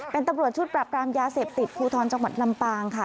เป็นตำรวจชุดปรับปรามยาเสพติดภูทรจังหวัดลำปางค่ะ